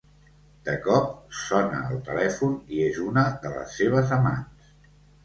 De cop, sona el telèfon i és una de les seves amants.